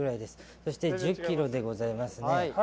そして１０ｋｇでございます。